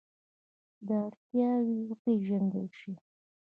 دا اړتیاوې وپېژندل شي.